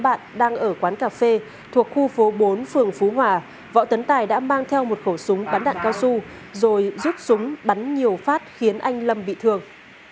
các đối tượng bị khởi tố gồm ngô hồng ngọc võ tấn tài phạm trần đình lâm đều trú tại tỉnh bình dương